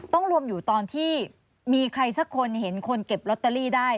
ต้องรวมอยู่ตอนที่มีใครสักคนเห็นคนเก็บลอตเตอรี่ได้